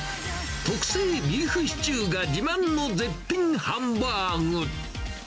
特製ビーフシチューが自慢の絶品ハンバーグ。